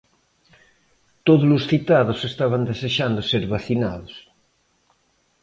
Todos os citados estaban desexando ser vacinados.